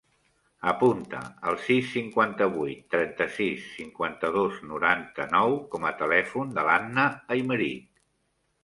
Apunta el sis, cinquanta-vuit, trenta-sis, cinquanta-dos, noranta-nou com a telèfon de l'Anna Aymerich.